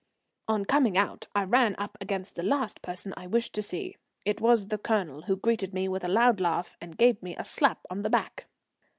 On coming out I ran up against the last person I wished to see. It was the Colonel, who greeted me with a loud laugh, and gave me a slap on the back.